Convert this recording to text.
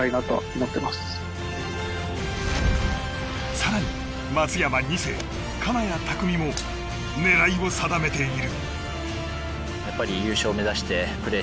更に、松山２世金谷拓実も狙いを定めている。